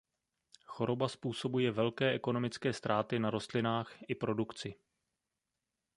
Choroba způsobuje velké ekonomické ztráty na rostlinách i produkci.